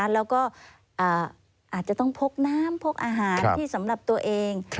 แล้วก็อาจจะต้องพกน้ำพกอาหารที่สำหรับตัวเอง